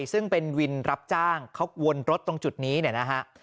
ซึ่งเป็นวินรับจ้างเขาวนรถตรงจุดนี้เนี่ยนะฮะ